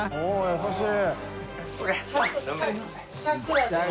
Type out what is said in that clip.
優しい。